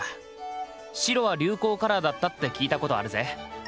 白は流行カラーだったって聞いたことあるぜ。